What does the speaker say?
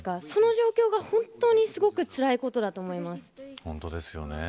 その状況が、本当にすごくつらいことだと思います。